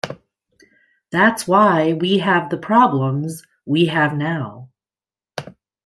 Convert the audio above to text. That's why we have the problems we have now.